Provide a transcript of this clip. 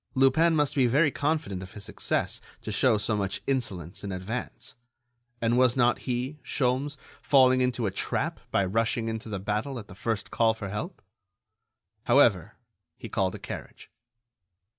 Lupin must be very confident of his success to show so much insolence in advance; and was not he, Sholmes, falling into a trap by rushing into the battle at the first call for help? However, he called a carriage.